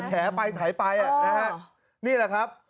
แฉไปแถไปนี่แหละครับ